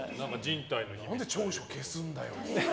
何で長所を消すんだよ。